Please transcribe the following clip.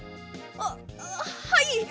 あっはい！